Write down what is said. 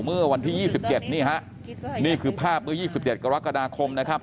เมื่อวันที่๒๗นี่ฮะนี่คือภาพเมื่อ๒๗กรกฎาคมนะครับ